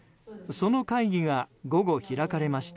その会議が午後開かれました。